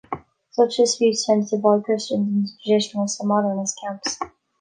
Such disputes tend to divide Christians into traditionalist and modernist camps.